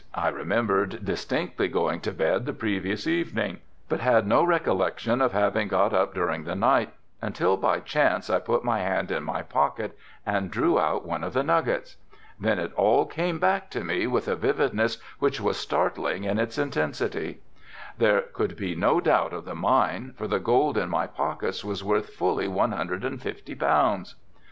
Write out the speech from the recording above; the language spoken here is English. I remembered distinctly going to bed the previous evening: but had no recollection of having got up during the night, until by chance I put my hand in my pocket and drew out one of the nuggets. Then it all came back to me with a vividness which was startling in its intensity. There could be no doubt of the mine for the gold in my pockets was worth fully one hundred and fifty pounds.